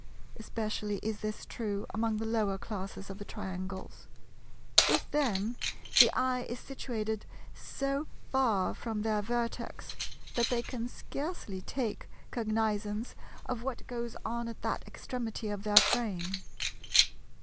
Especially is this true among the lower classes of the Triangles. With them, the eye is situated so far from their vertex that they can scarcely take cognizance of what goes on at that extremity of their frame.